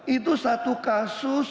itu satu kasus